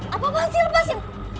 apa mas lepas ya